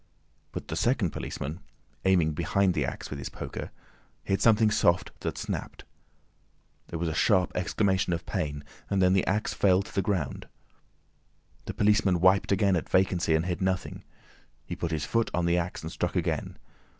But the second policeman, aiming behind the axe with his poker, hit something soft that snapped. There was a sharp exclamation of pain and then the axe fell to the ground. The policeman wiped again at vacancy and hit nothing; he put his foot on the axe, and struck again.